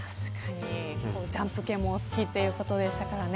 ジャンプ系も大好きということでしたからね。